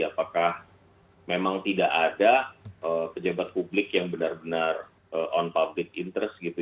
apakah memang tidak ada pejabat publik yang benar benar on public interest gitu